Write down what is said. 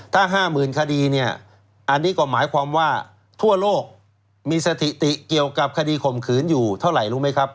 ถ้า๕๐๐๐คดีเนี่ยอันนี้ก็หมายความว่าทั่วโลกมีสถิติเกี่ยวกับคดีข่มขืนอยู่เท่าไหร่รู้ไหมครับ